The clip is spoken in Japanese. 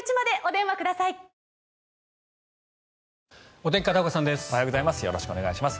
おはようございます。